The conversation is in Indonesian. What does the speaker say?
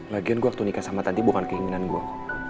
lagian gue waktu nikah sama tanti bukan keinginan gue